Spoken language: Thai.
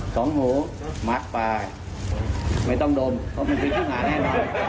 สองหูมักปลาไม่ต้องดมเพราะมันกินข้างหาแน่นอน